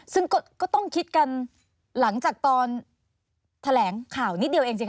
ซึ่งก็ต้องคิดกันหลังจากตอนแถลงข่าวนิดเดียวเองจริง